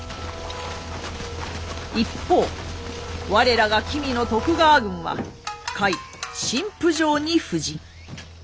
一方我らが君の徳川軍は甲斐・新府城に布陣。